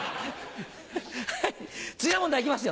はい次の問題いきますよ